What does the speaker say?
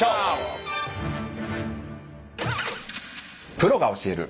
「プロが教える！